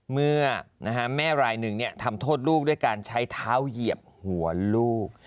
เมื่อแม่รายหนึ่งทำโทษลูกด้วยการใช้เท้าเหยียบหัวลูก